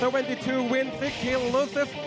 และสิทธิ์ที่สุดขอบคุณสวัสดิ์นุ่มสตึกชัยโลธสวิทธิ์